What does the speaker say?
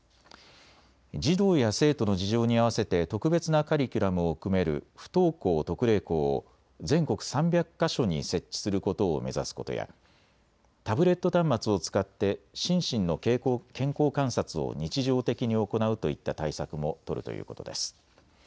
児童や生徒の事情に合わせて特別なカリキュラムを組める不登校特例校を全国３００か所に設置することを目指すことやタブレット端末を使って心身の健康観察を日常的に行うといった対策も取るということです。